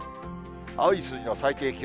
青い数字の最低気温。